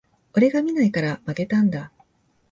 俺が見ないから負けたんだ